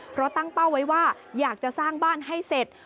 เพราะตั้งเป้าไว้ว่าอยากจะสร้างบ้านให้เสร็จ